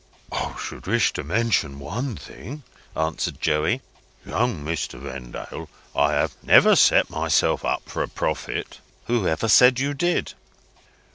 "I should wish to mention one thing," answered Joey. "Young Mr. Vendale, I have never set myself up for a prophet." "Who ever said you did?"